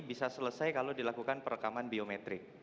bisa selesai kalau dilakukan perekaman biometrik